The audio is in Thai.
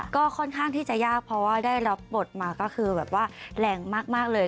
ก็ค่อนข้างที่จะยากเพราะว่าได้รับบทมาก็คือแบบว่าแรงมากเลย